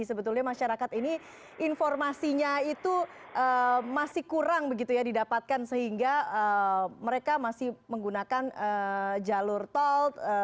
sebetulnya masyarakat ini informasinya itu masih kurang begitu ya didapatkan sehingga mereka masih menggunakan jalur tol